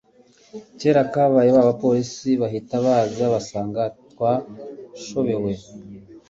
kera kabaye baba police bahita baza basanga twashobewe